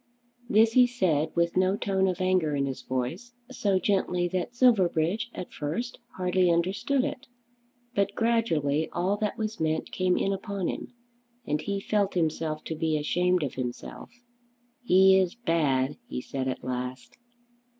This he said with no tone of anger in his voice, so gently that Silverbridge at first hardly understood it. But gradually all that was meant came in upon him, and he felt himself to be ashamed of himself. "He is bad," he said at last.